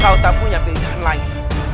kalau tak punya pilihan lain